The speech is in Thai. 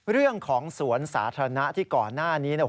เรื่องของสวนสาธารณะที่ก่อนหน้านี้เนี่ย